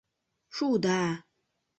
Шуыда.